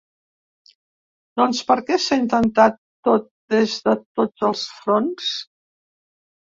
Doncs perquè s’ha intentat tot des de tots els fronts.